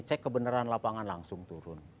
cek kebenaran lapangan langsung turun